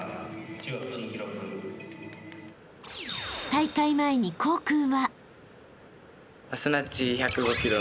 ［大会前に功君は］